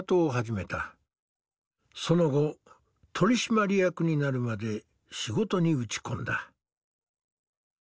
その後取締役になるまで仕事に打ち込んだ。